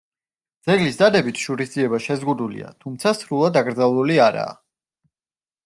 ძეგლის დადებით შურისძიება შეზღუდულია, თუმცა სრულად აკრძალული არაა.